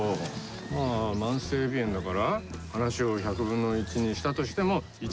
まあ慢性鼻炎だから話を１００分の１にしたとしても１万倍だぞ。